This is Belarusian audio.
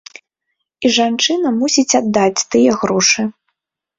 І жанчына мусіць аддаць тыя грошы.